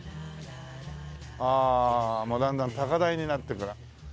ああもうだんだん高台になっていくな。